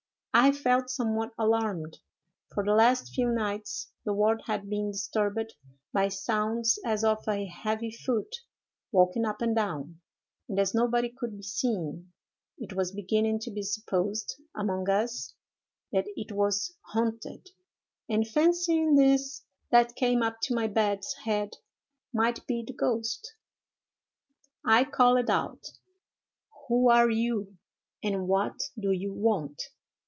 I felt somewhat alarmed, for the last few nights the ward had been disturbed by sounds as of a heavy foot walking up and down; and as nobody could be seen, it was beginning to be supposed among us that it was haunted, and fancying this that came up to my bed's head might be the ghost, I called out, "Who are you, and what do you want?"